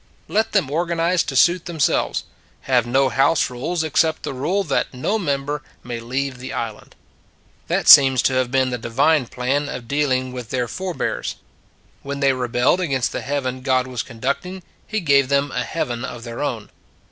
Let them organize to suit themselves. Have no house rules except the rule that no member may leave the island. That seems to have been the divine plan of dealing with their forebears. When 38 It s a Good Old World they rebelled against the Heaven God was conducting, He gave them a Heaven of their own.